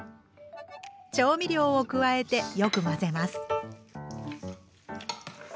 調味料を加えてよく混ぜます。